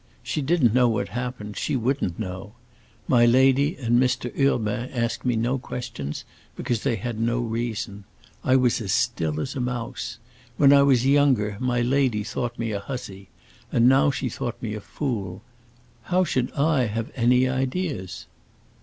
She didn't know what happened; she wouldn't know. My lady and Mr. Urbain asked me no questions because they had no reason. I was as still as a mouse. When I was younger my lady thought me a hussy, and now she thought me a fool. How should I have any ideas?"